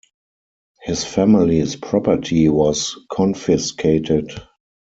His family's property was confiscated.